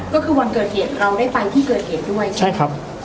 ก็คือวันเกิดเหตุเราได้ไปที่เกิดเหตุด้วยใช่ไหมใช่ครับ